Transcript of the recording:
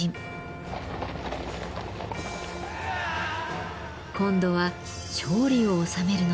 今度は勝利を収めるのです。